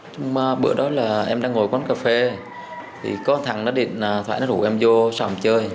trong bữa đó là em đang ngồi quán cà phê thì có thằng điện thoại nó rủ em vô sòng chơi